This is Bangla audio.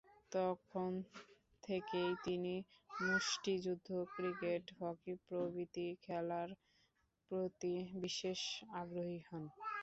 তখন থেকেই তিনি মুষ্টিযুদ্ধ, ক্রিকেট, হকি প্রভৃতি খেলার প্রতি বিশেষ আগ্রহী হন।